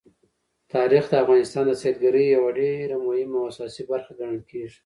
تاریخ د افغانستان د سیلګرۍ یوه ډېره مهمه او اساسي برخه ګڼل کېږي.